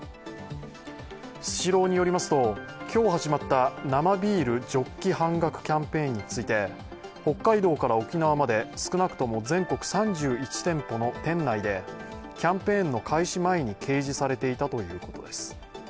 スシローによりますと、今日始まった生ビールジョッキ半額キャンペーンについて、北海道から沖縄まで少なくとも全国３１店舗の店内でキャンペーンの開始前に掲示されていたということです。